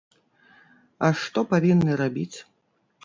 А што павінны рабіць?